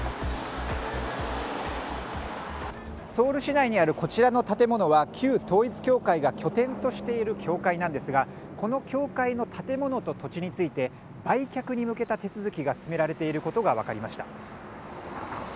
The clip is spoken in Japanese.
ソウル市内にあるこちらの建物は、旧統一教会が拠点としている教会なんですがこの教会の建物と土地について売却に向けた手続きが進められていることが分かりました。